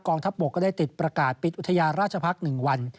ทัพบกก็ได้ติดประกาศปิดอุทยานราชพักษ์๑วัน